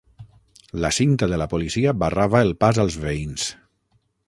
La cinta de la policia barrava el pas als veïns.